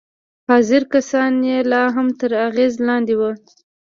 حاضر کسان يې لا هم تر اغېز لاندې وو.